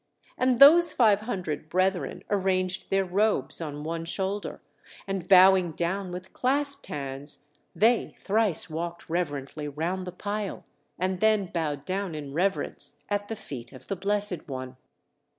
And those five hundred brethren arranged their robes on one shoulder; and bowing down with clasped hands, they thrice walked reverently round the pile, and then bowed down in reverence at the feet of the Blessed One.